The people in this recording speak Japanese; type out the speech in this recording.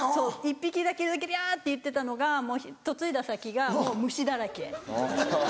１匹いるだけでいやって言ってたのがもう嫁いだ先がもう虫だらけ。